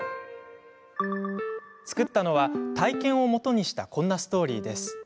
作ったのは、体験をもとにしたこんなストーリーです。